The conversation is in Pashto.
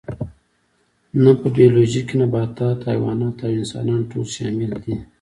نه په بیولوژي کې نباتات حیوانات او انسانان ټول شامل دي